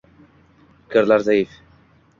Fikrlar zaif